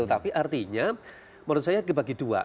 tapi artinya menurut saya dibagi dua